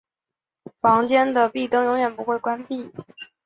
房间的壁灯永远不会关闭。